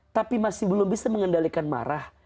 tapi masih belum bisa mengendalikan marah